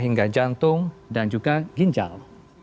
hingga jantung dan juga ginjal